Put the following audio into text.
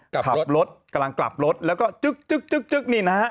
กลับรถกำลังกลับรถแล้วก็จึ๊กจึ๊กจึ๊กจึ๊กนี่นะฮะ